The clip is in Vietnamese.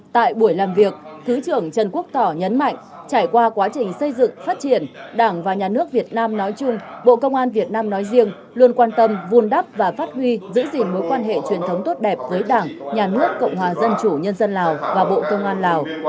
tại buổi làm việc thứ trưởng trần quốc tỏ nhấn mạnh trải qua quá trình xây dựng phát triển đảng và nhà nước việt nam nói chung bộ công an việt nam nói riêng luôn quan tâm vun đắp và phát huy giữ gìn mối quan hệ truyền thống tốt đẹp với đảng nhà nước cộng hòa dân chủ nhân dân lào và bộ công an lào